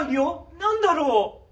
何だろう。